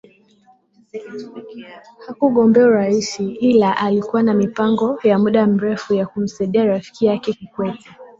hakugombea urais ila alikuwa na mipango ya muda mrefu ya kumsaidia rafiki yake Kikwete